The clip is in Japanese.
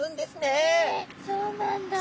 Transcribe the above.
へえそうなんだ。